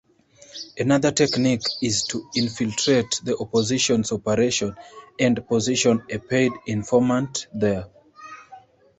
Another technique is to infiltrate the opposition's operations and position a paid informant there.